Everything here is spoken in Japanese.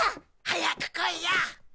早く来いよ！